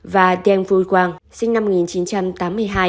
và tiêng vui quang sinh năm một nghìn chín trăm tám mươi hai